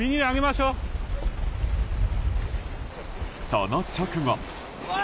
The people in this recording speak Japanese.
その直後。